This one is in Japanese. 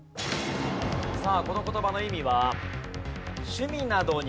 さあこの言葉の意味は。